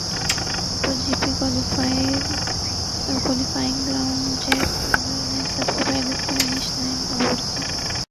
motto G P qualifying round Jack Miller نے سب سے پہلے فنش لائن عبور کی